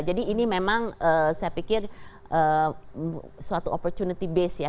ini memang saya pikir suatu opportunity base ya